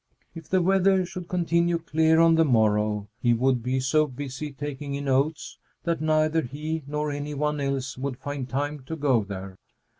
If the weather should continue clear on the morrow, he would be so busy taking in oats that neither he nor any one else would find time to go there.